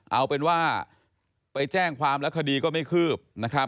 เอาเป็นว่าไปแจ้งความลักษณีย์ก็ไม่คืบ